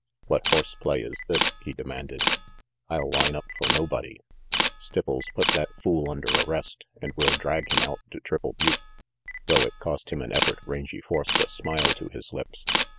"What horse play is this?" he demanded. "I'll line up for nobody. Stipples, put that fool under arrest, and we'll drag him out to Triple Butte." Though it cost him an effort, Rangy forced a smile to his lips.